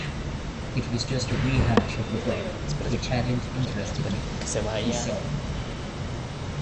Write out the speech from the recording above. "It was just a rehash of the book, which hadn't interested me," he said.